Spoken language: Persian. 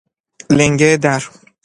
لنگه در